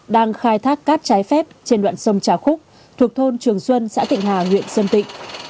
đang khai thác cát trái phép trên đoạn sông trà khúc thuộc thôn trường xuân xã tịnh hà huyện sơn tịnh